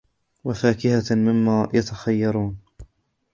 وفاكهة مما يتخيرون